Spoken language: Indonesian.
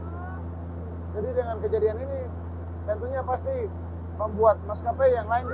jadi dengan kejadian ini tentunya pasti membuat mas kp yang lain juga akan berhati hati untuk masuk ke daerah daerah yang terpengkil